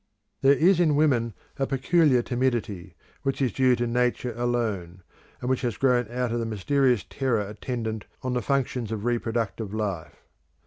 There is in women a peculiar timidity, which is due to nature alone, and which has grown out of the mysterious terror attendant on the functions of reproductive life.